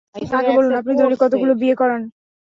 আগে বলুন, আপনি দৈনিক কতগুলো বিয়ে করান?